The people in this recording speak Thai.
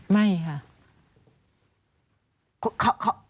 ไม่ค่ะ